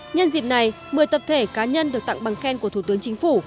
nhân dịp này một mươi tập thể cá nhân được tặng bằng khen của thủ tướng chính phủ